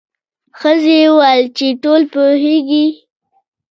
ښځې وویل چې ټول پوهیږي.